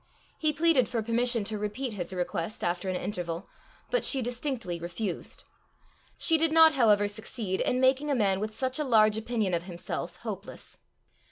He pleaded for permission to repeat his request after an interval, but she distinctly refused. She did not, however, succeed in making a man with such a large opinion of himself hopeless.